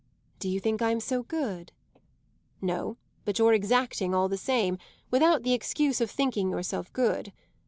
"Do you think I'm so good?" "No, but you're exacting, all the same, without the excuse of thinking yourself good.